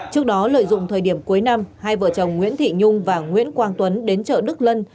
trước đó lợi dụng thời điểm cuối năm hai vợ chồng nguyễn thị nhung và nguyễn quang tuấn đến chợ đức lân